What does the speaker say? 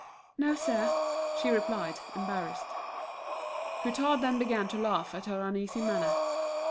"No, sir," she replied, embarrassed. Hutin then began to laugh at her uneasy manner.